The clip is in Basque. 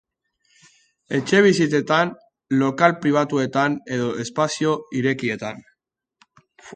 Etxebizitzetan, lokal pribatuetan edo espazio irekietan.